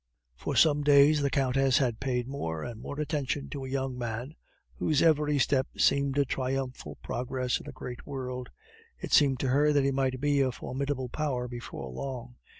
For some days the Countess had paid more and more attention to a young man whose every step seemed a triumphal progress in the great world; it seemed to her that he might be a formidable power before long.